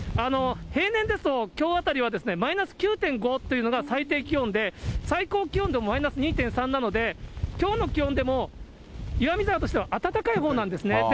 平年ですと、きょうあたりはマイナス９．５というのが最低気温で、最高気温でもマイナス２．３なので、きょうの気温でも岩見沢としては暖かいほうなんですね。